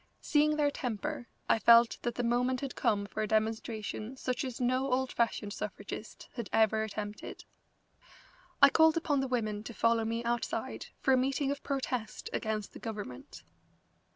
Seeing their temper, I felt that the moment had come for a demonstration such as no old fashioned suffragist had ever attempted. I called upon the women to follow me outside for a meeting of protest against the government.